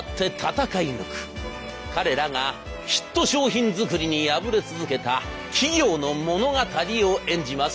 彼らがヒット商品作りに敗れ続けた企業の物語を演じます。